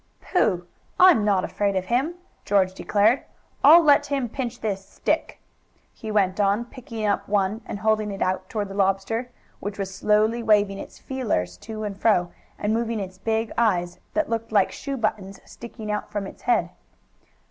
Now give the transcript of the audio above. "Pooh! I'm not afraid of him," George declared. "I'll let him pinch this stick," he went on, picking up one, and holding it out toward the lobster, which was slowly waving its "feelers" to and fro, and moving its big eyes, that looked like shoe buttons sticking out from its head.